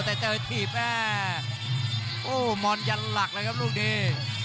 แต่เจอถีบแม่โอ้มอนยันหลักเลยครับลูกนี้